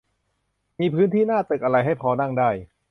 มีพื้นที่หน้าตึกอะไรให้พอนั่งได้